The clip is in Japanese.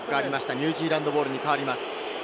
ニュージーランドボールに変わります。